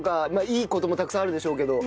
いい事もたくさんあるでしょうけど。